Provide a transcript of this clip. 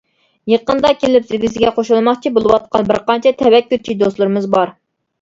يېقىندا كېلىپ بىزگە قوشۇلماقچى بولۇۋاتقان بىرقانچە تەۋەككۈلچى دوستلىرىمىز بار.